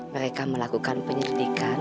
mereka melakukan penyelidikan dan